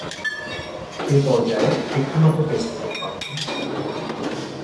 এ পর্যায়ে একটিমাত্র test wicket পান তিনি।